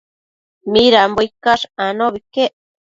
Nidambo icash anobi iquec